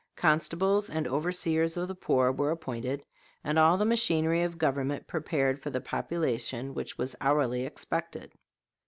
Constables and overseers of the poor were appointed, and all the machinery of government prepared for the population which was hourly expected.